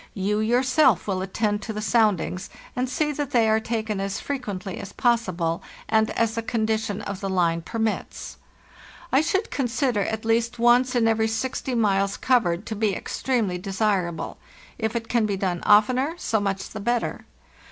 You yourself will attend to the sound ings, and see that they are taken as frequently as possible and as the condition of the line permits. I should con sider at least once in every 60 miles covered to be ex tremely desirable; if it can be done oftener so much the better.